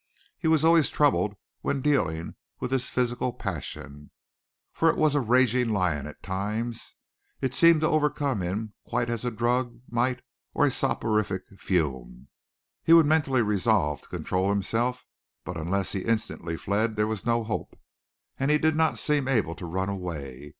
He was always troubled when dealing with his physical passion, for it was a raging lion at times. It seemed to overcome him quite as a drug might or a soporific fume. He would mentally resolve to control himself, but unless he instantly fled there was no hope, and he did not seem able to run away.